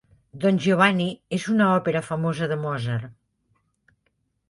Don Giovanni és una òpera famosa de Mozart